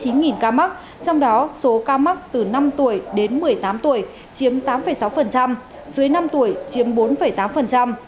trong đó số ca mắc từ năm tuổi đến một mươi tám tuổi chiếm tám sáu dưới năm tuổi chiếm bốn tám